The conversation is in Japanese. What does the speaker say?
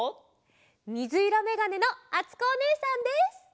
みずいろめがねのあつこおねえさんです！